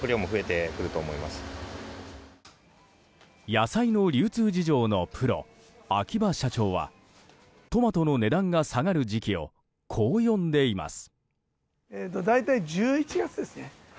野菜の流通事情のプロ秋葉社長はトマトの値段が下がる時期をこう読んでいます。